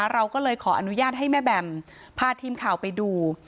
เราก็เลยขออนุญาตให้แม่แบมพาทีมข่าวไปดู